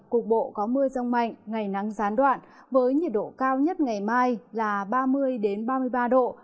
cục bộ có mưa rông mạnh ngày nắng gián đoạn với nhiệt độ cao nhất ngày mai là ba mươi ba mươi ba độ